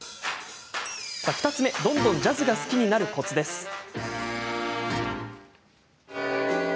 ２つ目、どんどんジャズが好きになるコツです。